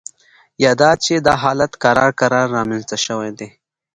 یا دا چې دا حالت کرار کرار رامینځته شوی دی